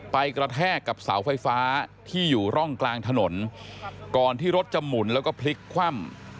กระแทกกับเสาไฟฟ้าที่อยู่ร่องกลางถนนก่อนที่รถจะหมุนแล้วก็พลิกคว่ำ